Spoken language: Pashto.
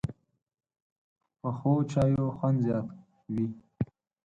پخو چایو خوند زیات وي